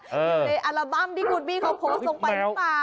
ในอัลบั้มที่คุณบี้เขาโพสต์ลงไปหรือเปล่า